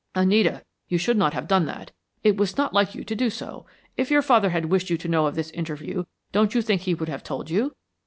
"Anita, you should not have done that! It was not like you to do so. If your father had wished you to know of this interview, don't you think he would have told you?"